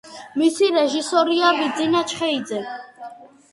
მისი რეჟისორია ბიძინა ჩხეიძე.